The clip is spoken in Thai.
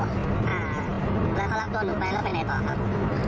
อ่าเค้ารับตัวนูไปแล้วไปไหนต่อครับ